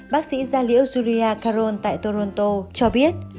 bác sĩ gia lĩa julia caron tại toronto cho biết